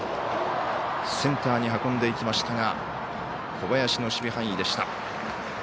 センターに運んでいきましたが小林の守備範囲でした。